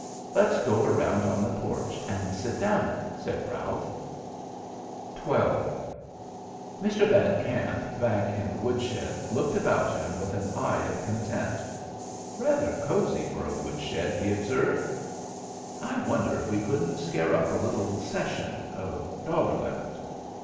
'" "Let's go around on the porch and sit down," said Ralph. XII Mr. Van Kamp, back in the woodshed, looked about him with an eye of content. "Rather cozy for a woodshed," he observed. "I wonder if we couldn't scare up a little session of dollar limit?"